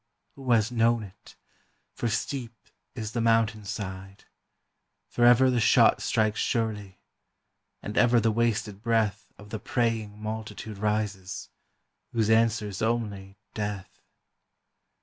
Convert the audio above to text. who has known it? for steep is the mountain side, Forever the shot strikes surely, and ever the wasted breath Of the praying multitude rises, whose answer is only death.